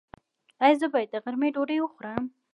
ایا زه باید د غرمې ډوډۍ وخورم؟